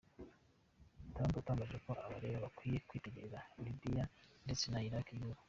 Trump yatangaje ko abareba bakwiye kwitegereza Libya ndetse na Iraki by’ubu.